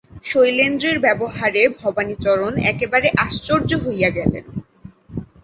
শৈলেন্দ্রের ব্যবহারে ভবানীচরণ একেবারে আশ্চর্য হইয়া গেলেন।